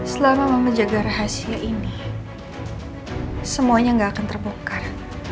selama mama jaga rahasia ini semuanya nggak akan terbongkar